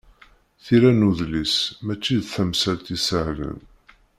Tira n udlis mačči d tamsalt isehlen.